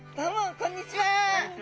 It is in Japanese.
こんにちは。